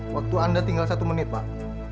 waktu anda tinggal satu menit pak